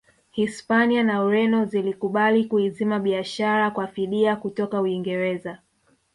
Hispania na Ureno zilikubali kuizima biashara kwa fidia kutoka Uingereza